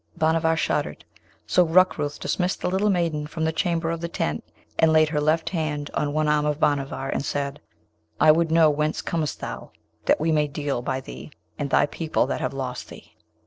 Bhanavar shuddered. So Rukrooth dismissed the little maiden from the chamber of the tent, and laid her left hand on one arm of Bhanavar, and said, 'I would know whence comest thou, that we may deal well by thee and thy people that have lost thee.'